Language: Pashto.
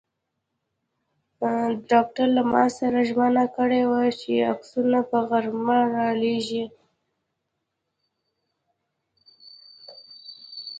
ډاکټر له ما سره ژمنه کړې وه چې عکسونه به غرمه را لېږي.